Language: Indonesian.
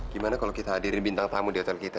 gimana kalau kita hadirin bintang tamu di hotel kita